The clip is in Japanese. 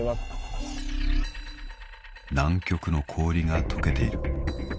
［南極の氷が解けている］